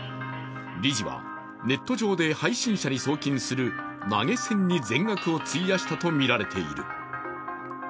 理事は、ネット上で配信者に送金する投げ銭に全額を費やしたとみられている。